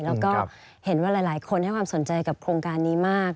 แล้วก็เห็นว่าหลายคนให้ความสนใจกับโครงการนี้มาก